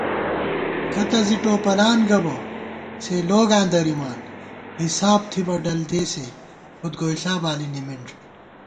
کتہ زی ٹوپلان گہ بہ، سے لوگاں درِمان * حِساب تھِبہ ڈل دېسے، کھُد گوئیݪا بالی نِمِنݮ